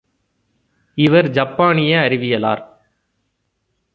இவர் ஜப்பானிய அறிவியலார்.